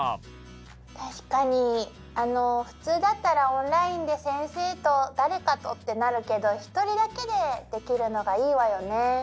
確かにあの普通だったらオンラインで先生と誰かとってなるけど一人だけでできるのがいいわよね。